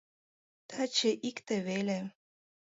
— Таче икте веле.